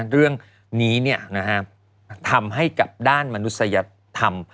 เรื่องนี้ทำให้กับด้านมนุษยธรรม